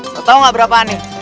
lu tau gak berapaan nih